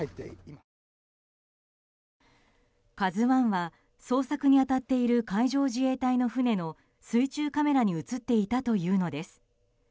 「ＫＡＺＵ１」は捜索に当たっている海上自衛隊の船の水中カメラに映っていたというのです。